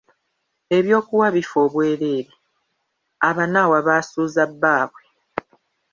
Eby'okuwa bifa obwereere, Abanaawa baasuuza Bbaabwe!